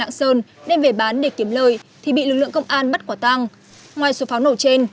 lạng sơn đem về bán để kiếm lời thì bị lực lượng công an bắt quả tăng ngoài số pháo nổ trên